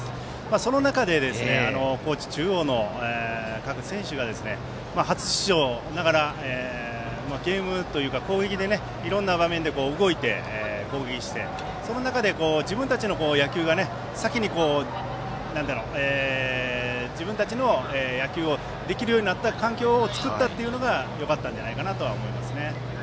その中で、高知中央の各選手が初出場ながらゲームというか攻撃でいろんな場面で動いて攻撃してその中で自分たちの野球が先に自分たちの野球をできるようになった環境を作ったというのがよかったと思いますね。